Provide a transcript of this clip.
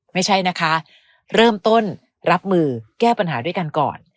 ไม่ใช่นะคะเริ่มต้นรับมือแก้ปัญหาด้วยกันก่อน